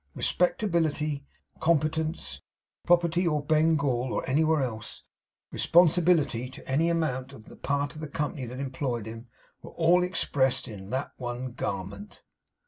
Respectability, competence, property in Bengal or anywhere else, responsibility to any amount on the part of the company that employed him, were all expressed in that one garment.